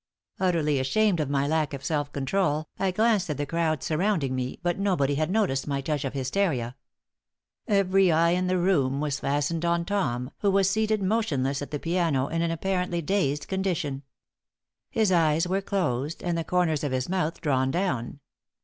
Utterly ashamed of my lack of self control, I glanced at the crowd surrounding me, but nobody had noticed my touch of hysteria. Every eye in the room was fastened on Tom, who was seated motionless at the piano in an apparently dazed condition. His eyes were closed and the corners of his mouth drawn down.